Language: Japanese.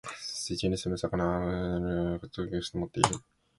水中に棲む魚は鰭を、空中に棲む鳥は翅をもっている。